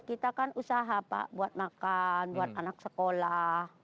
kita kan usaha pak buat makan buat anak sekolah